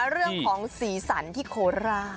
เรื่องของศีรษรที่โคลาส